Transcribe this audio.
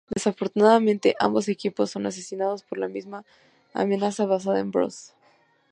Desafortunadamente, ambos equipos son asesinados por la misma amenaza basada en Brood.